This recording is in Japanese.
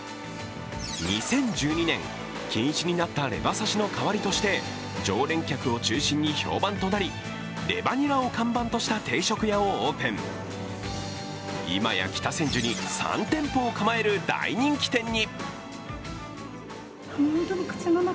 ２０１２年、禁止になったレバ刺しの代わりとして常連客を中心に評判となりレバニラを看板とした定食屋をオープン、いまや北千住に３店舗を構える大人気店に。